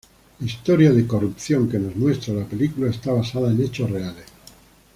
La historia de corrupción que nos muestra la película está basada en hechos reales.